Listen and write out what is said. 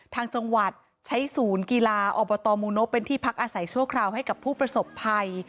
ทางจังหวัดใช้ศูนย์กีฬาอบตมูนพเป็นที่พักอาศัยชั่วคราวให้กับผู้ประสบภัย